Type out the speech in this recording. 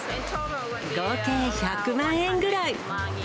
合計１００万円ぐらい。